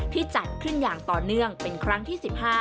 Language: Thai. จัดขึ้นอย่างต่อเนื่องเป็นครั้งที่๑๕